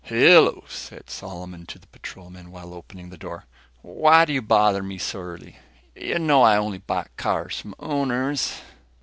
"Hello," said Solomon to the patrolman, while opening the door. "Why you bother me so early? You know I only buy cars from owners."